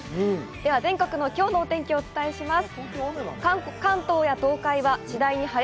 では全国のきょうのお天気をお伝えします。